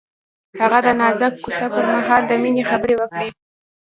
هغه د نازک کوڅه پر مهال د مینې خبرې وکړې.